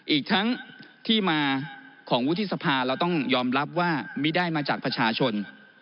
อีกทั้งที่มาของวุฒิสภาเราต้องยอมรับว่าไม่ได้มาจากประชาชน